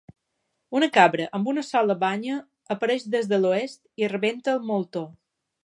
Una cabra amb una sola banya apareix des de l'oest i rebenta el moltó.